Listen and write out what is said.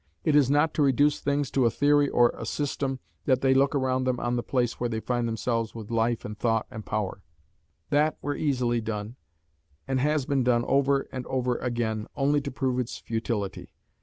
It is not to reduce things to a theory or a system that they look around them on the place where they find themselves with life and thought and power; that were easily done, and has been done over and over again, only to prove its futility.